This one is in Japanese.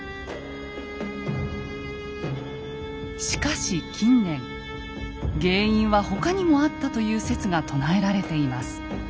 しかし近年原因は他にもあったという説が唱えられています。